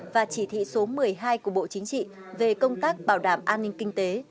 và chỉ thị số một mươi hai của bộ chính trị về công tác bảo đảm an ninh kinh tế